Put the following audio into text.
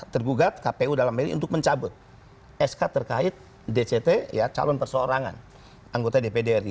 tergugat kpu dalam milik untuk mencabut sk terkait dct calon perseorangan anggota dpdri